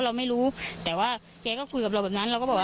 เราไม่รู้แต่ว่าแกก็คุยกับเราแบบนั้นเราก็บอกว่า